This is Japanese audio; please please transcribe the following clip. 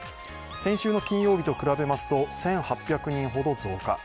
先週の金曜日と比べますと１８００人ほど増加。